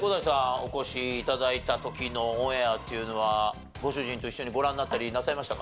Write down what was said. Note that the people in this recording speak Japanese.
お越し頂いた時のオンエアっていうのはご主人と一緒にご覧になったりなさいましたか？